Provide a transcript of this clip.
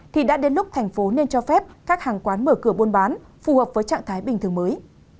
thì đã đến lúc thành phố nên cho phép các hàng quán mở cửa buôn bán phù hợp với trạng thái bình thường mới